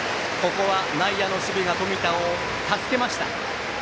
ここは内野の守備が冨田を助けました。